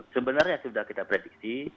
sebenarnya sudah kita prediksi